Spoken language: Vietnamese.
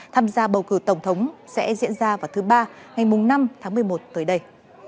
tham gia bầu cử tổng thống sẽ diễn ra vào thứ ba ngày năm tháng một mươi một tới đây